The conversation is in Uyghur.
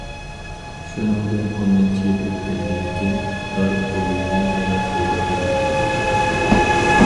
شۇنىڭدىن ئون نەچچە يىل ئۆتكەندىن كېيىن دار ئويۇنى يەنە پەيدا بولۇپ قالدى.